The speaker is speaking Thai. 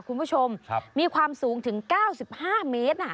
คุณผู้ชมมีความสูงถึง๙๕เมตร